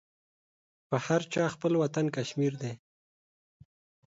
په هر چا خپل وطن کشمير ده.